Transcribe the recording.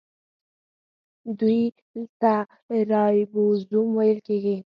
دوی ته رایبوزوم ویل کیږي.